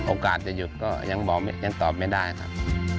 โอกาสจะหยุดก็ยังตอบไม่ได้ครับ